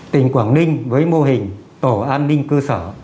tỉnh quảng ninh với mô hình tổ an ninh cơ sở